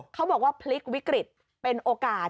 เขาบอกว่าพลิกวิกฤตเป็นโอกาส